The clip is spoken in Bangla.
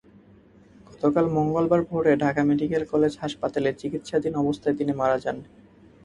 গতকাল মঙ্গলবার ভোরে ঢাকা মেডিকেল কলেজ হাসপাতালে চিকিৎসাধীন অবস্থায় তিনি মারা যান।